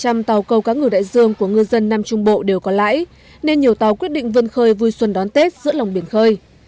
trên tàu câu cá ngừ đại dương của ngư dân nam trung bộ đều có lãi nên nhiều tàu quyết định vươn khơi vui xuân đón tết giữa lòng biển khơi